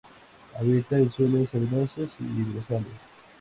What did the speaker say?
Habita en suelos arenosos y brezales.